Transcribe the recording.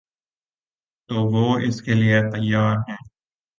تو وہ اس کے لیے تیار ہیں